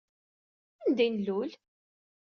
Anda ay nlul?